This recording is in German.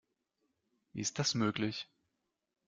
Wie ist das möglich?